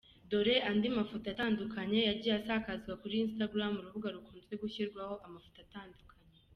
Dore andi mafoto atandukanye yagiye asakazwa kuri instagram urubuga rukunzwe gushyirwaho amafoto atandukanye .